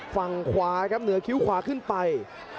ฝั่งขวาครับเหนือคิ้วขวาขึ้นไป